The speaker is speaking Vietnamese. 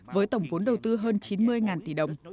với tổng vốn đầu tư hơn chín mươi tỷ đồng